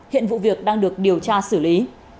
hiện vụ việc đang được điều tra xử lý